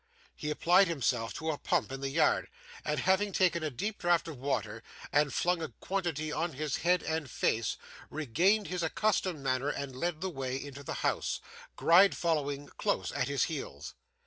He applied himself to a pump in the yard; and, having taken a deep draught of water and flung a quantity on his head and face, regained his accustomed manner and led the way into the house: Gride following close at his heels.